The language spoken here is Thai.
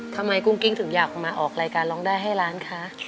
กุ้งกิ้งถึงอยากมาออกรายการร้องได้ให้ล้านคะ